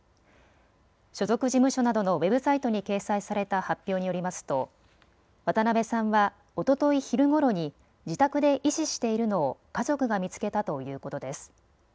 所属事務所などのウェブサイトに掲載された発表によりますと渡辺さんはおととい昼ごろに自宅でいししているのを家族が見つけたということです。